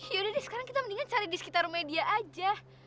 yaudah di sekarang kita mendingan cari di sekitar rumahnya dia aja